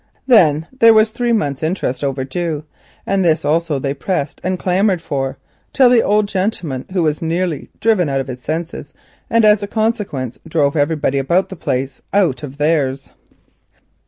Then there was three months' interest overdue, and this also they pressed and clamoured for, till the old gentleman was nearly driven out of his senses, and as a consequence drove everybody about the place out of theirs.